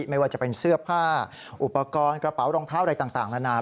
ไม่ว่าจะเป็นเสื้อผ้าอุปกรณ์กระเป๋ารองเท้าอะไรต่างนานา